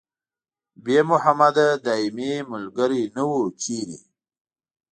بې محمده ص دايمي ملګري نه وو چېرته